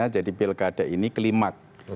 jadi pilkada ini kelimat